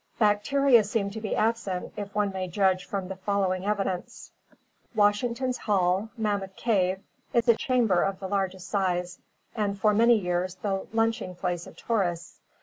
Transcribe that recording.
Bacteria seem to be absent if one may judge from the following evidence (Hubbard): " Washington's Hall [Mammoth Cave] is a chamber of the largest size, and for many years the lunching place of tourists.